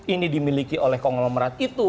ini dimiliki oleh konglomerat itu